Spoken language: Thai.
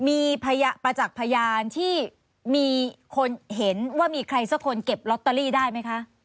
มีประจักษ์พยานที่มีคนเห็นว่ามีใครสักคนเก็บลอตเตอรี่ได้ไหมคะ